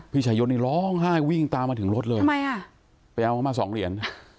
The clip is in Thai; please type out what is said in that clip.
พี่ชายดนี่ร้องไห้วิ่งตามมาถึงรถเลยไปเอามา๒เหรียญ